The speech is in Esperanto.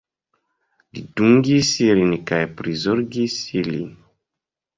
Li dungis ilin kaj prizorgis ilin.